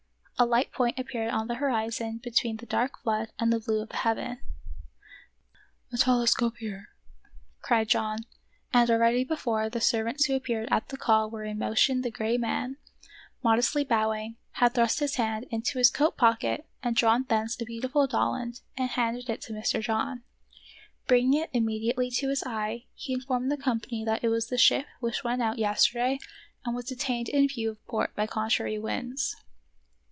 A light point appeared on the horizon between the dark flood and the blue of the heaven. " A tele scope here !" cried John ; and already before the servants who appeared at the call were in motion the gray man, modestly bowing, had thrust his hand into his coat pocket and drawn thence a beautiful Dollond and handed it to Mr. John. Bringing it immediately to his eye, he informed the company that it was the ship which went out yesterday and was detained in view of port by contrary winds.